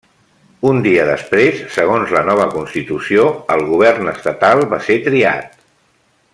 Un dia després, segons la nova constitució, el govern estatal va ser triat.